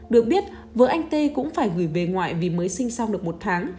được biết vợ anh tê cũng phải gửi về ngoại vì mới sinh xong được một tháng